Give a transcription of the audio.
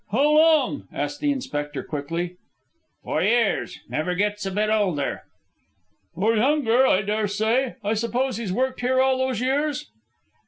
"How long?" asked the inspector, quickly. "For years. Never gets a bit older." "Or younger, I dare say. I suppose he's worked here all those years?"